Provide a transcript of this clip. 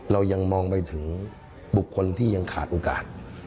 เรายังมองไปถึงบุคคลที่ยังขาดโอกาส